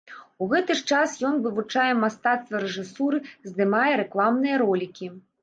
У гэты ж час ён вывучае мастацтва рэжысуры, здымае рэкламныя ролікі.